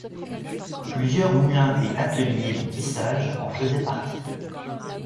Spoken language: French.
Plusieurs moulins et ateliers de tissage en faisaient partie.